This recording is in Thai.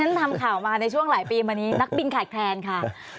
ทำข่าวมาในช่วงหลายปีมานี้นักบินขาดแคลนค่ะ